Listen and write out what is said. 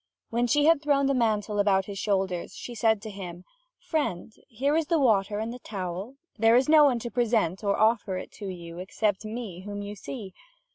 When she had thrown the mantle about his shoulders, she said to him: "Friend, here is the water and the towel; there is no one to present or offer it to you except me whom you see.